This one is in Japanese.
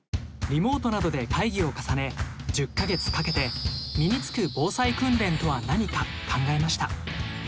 リモートなどで会議を重ね１０か月かけて身に付く防災訓練とは何か考えました。